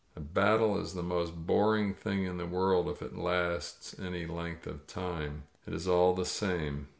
A battle is the most boring thing in the world if it lasts any length of time. It is all the same.